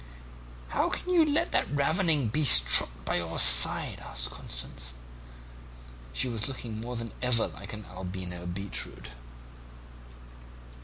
"'How can you let that ravening beast trot by your side?' asked Constance. She was looking more than ever like an albino beetroot.